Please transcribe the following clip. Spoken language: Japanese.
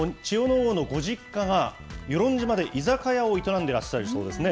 皇のご実家が、与論島で居酒屋を営んでらっしゃるそうですね。